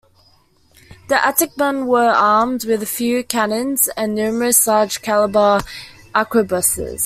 The Atakebune were armed with a few cannons and numerous large-caliber arquebuses.